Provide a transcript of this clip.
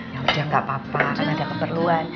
yaudah gak apa apa kan ada keperluan